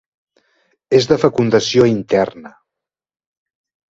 És de fecundació interna.